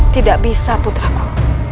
tidak bisa putraku